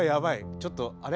ちょっとあれ？